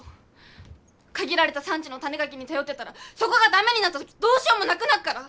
限られた産地の種ガキに頼ってたらそこが駄目になった時どうしようもなくなっから！